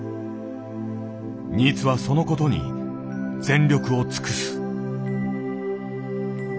新津はそのことに全力を尽くす。